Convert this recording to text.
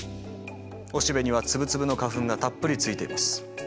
おしべには粒々の花粉がたっぷりついています。